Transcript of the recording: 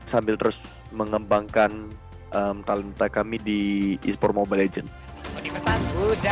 sambil terus mengembangkan talenta kami di esports mobile legends